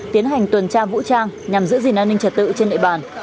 tiến hành tuần tra vũ trang nhằm giữ gìn an ninh trật tự trên địa bàn